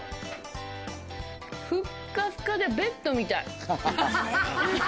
ふっかふかで、ベッドみたい。